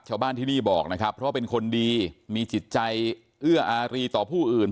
ชาวบ้านที่นี่บอกนะครับเพราะว่าเป็นคนดีมีจิตใจเอื้ออารีต่อผู้อื่น